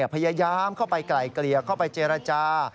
พยายามเข้าไปไกลเกลี่ยเข้าไปเจรจา